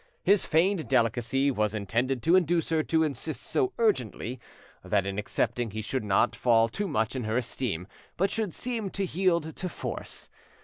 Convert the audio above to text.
His feigned delicacy was intended to induce her to insist so urgently, that in accepting he should not fall too much in her esteem, but should seem to yield to force.